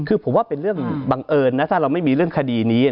คือผมว่าเป็นเรื่องบังเอิญนะถ้าเราไม่มีเรื่องคดีนี้